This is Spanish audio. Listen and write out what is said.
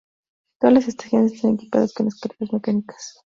Todas las estaciones están equipadas con escaleras mecánicas.